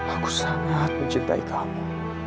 aku sangat mencintai kamu